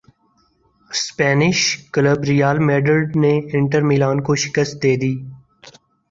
Spanish club Real Madrid نے Inter Milan کو شکست دے دی